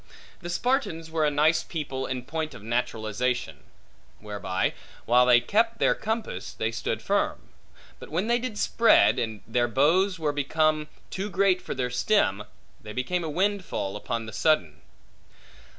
The Spartans were a nice people in point of naturalization; whereby, while they kept their compass, they stood firm; but when they did spread, and their boughs were becomen too great for their stem, they became a windfall, upon the sudden.